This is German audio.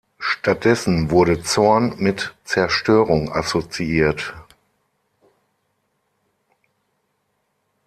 Stattdessen wurde Zorn mit Zerstörung assoziiert.